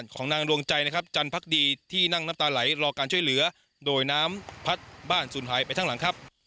ของนางดวงใจนะครับจันพักดีที่นั่งน้ำตาไหลรอการช่วยเหลือโดยน้ำพัดบ้านสูญหายไปทั้งหลังครับ